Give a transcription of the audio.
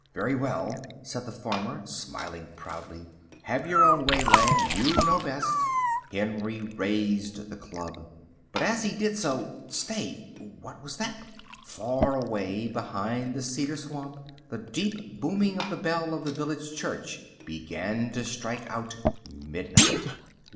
"Well, well," said the farmer, smiling proudly, "have your own way, lad, you know best." Henry raised the club. But as he did so—stay, what was that? Far away behind the cedar swamp the deep booming of the bell of the village church began to strike out midnight.